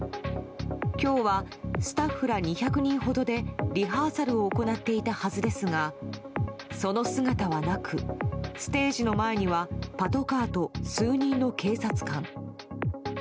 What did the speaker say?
今日はスタッフら２００人ほどでリハーサルを行っていたはずですがその姿はなく、ステージの前にはパトカーと数人の警察官。